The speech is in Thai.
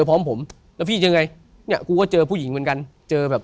พร้อมผมแล้วพี่ยังไงเนี่ยกูก็เจอผู้หญิงเหมือนกันเจอแบบ